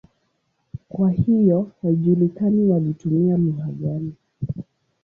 Kwa hiyo haijulikani walitumia lugha gani.